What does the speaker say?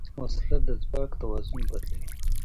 وسله د ځواک توازن بدلوي